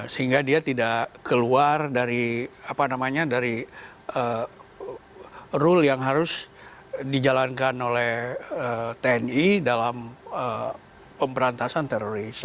sehingga dia tidak keluar dari apa namanya dari rule yang harus dijalankan oleh tni dalam pemperantasan terorisme